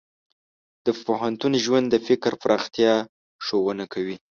د پوهنتون ژوند د فکر پراختیا ښوونه کوي.